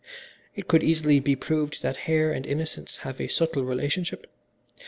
"It could easily be proved that hair and innocence have a subtle relationship.